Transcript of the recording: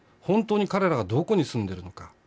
本当に彼らがどこに住んでいるのか。